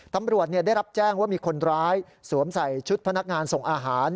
ตำรวจได้รับแจ้งว่ามีคนร้ายสวมใส่ชุดพนักงานส่งอาหาร